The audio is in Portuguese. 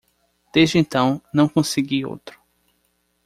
Desde então, não consegui outro.